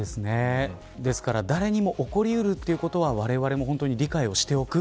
ですから誰にも起こり得るということはわれわれも本当に理解をしておく。